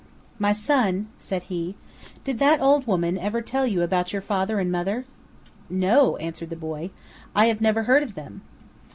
"My son," said he, "did that old woman ever tell you about your father and mother?" "No," answered the boy; "I have never heard of them."